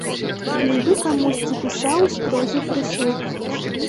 Нібы камусьці пісаў строгі прысуд.